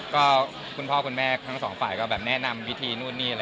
ก็คุณพ่อคุณแม่ทั้งสองฝ่ายก็แน่นำวิธี